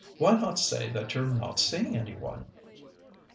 Why not say that you're not seeing any one?"